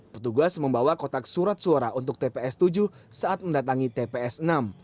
petugas membawa kotak surat suara untuk tps tujuh saat mendatangi tps enam